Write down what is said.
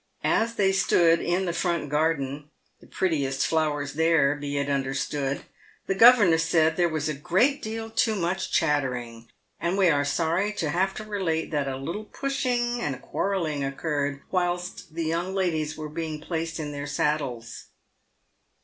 As they stood in the front garden — the prettiest flowers there, be it understood — the governess said there was a great deal too much chattering ; and we are sorry to have to relate that a little pushing and quarrelling occurred whilst the young ladies were being placed in their saddles.